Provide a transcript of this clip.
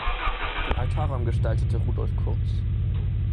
Den Altarraum gestaltete Rudolf Kurz.